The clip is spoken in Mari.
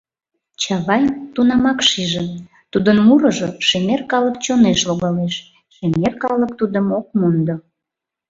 Чавайн тунамак шижын: тудын мурыжо шемер калык чонеш логалеш, шемер калык тудым ок мондо...